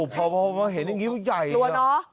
อ๋อพอเมื่อเห็นอย่างนี้คือใหญ่เหรอรัวเนอะ